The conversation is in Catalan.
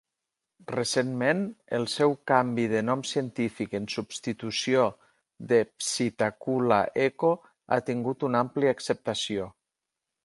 Recentment, el seu canvi de nom científic en substitució de "Psittacula echo" ha tingut una àmplia acceptació.